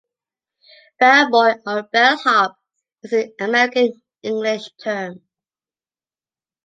"Bellboy" or "bellhop" is an American English term.